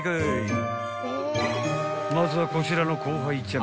［まずはこちらの後輩ちゃん